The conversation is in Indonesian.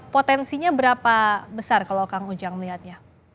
potensinya berapa besar kalau kang ujang melihatnya